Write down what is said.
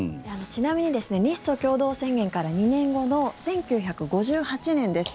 ちなみに日ソ共同宣言から２年後の１９５８年です。